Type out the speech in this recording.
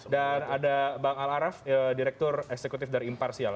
dan ada bang al araf direktur eksekutif dari imparsial